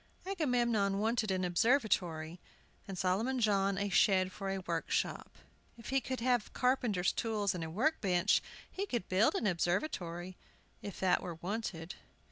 Agamemnon wanted an observatory, and Solomon John a shed for a workshop. If he could have carpenters' tools and a workbench he could build an observatory, if it were wanted.